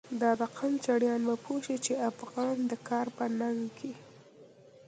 دا د قم چړیان به پوه شی، چی افغان د کار په ننگ کی